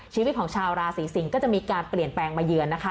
ชีวิตของชาวราศีสิงศ์ก็จะมีการเปลี่ยนแปลงมาเยือนนะคะ